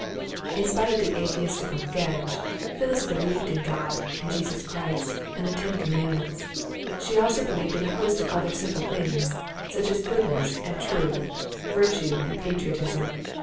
In spite of the atheistical Gedge, Phyllis believed in God and Jesus Christ and the Ten Commandments. She also believed in a host of other simple things, such as Goodness and Truth, Virtue and Patriotism.